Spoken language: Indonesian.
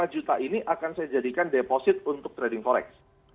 lima juta ini akan saya jadikan deposit untuk trading forex